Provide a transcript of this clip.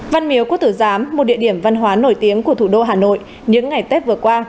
văn miếu quốc tử giám một địa điểm văn hóa nổi tiếng của thủ đô hà nội những ngày tết vừa qua